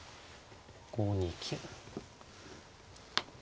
５二金。